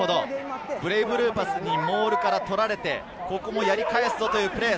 ブレイブルーパスでモールから取られて、やり返すをというプレー。